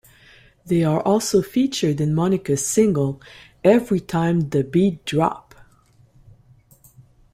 They are also featured in Monica's single "Everytime tha Beat Drop".